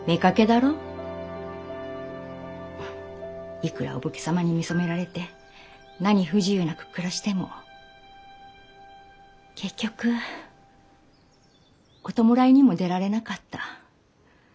いくらお武家様に見初められて何不自由なく暮らしても結局お弔いにも出られなかった。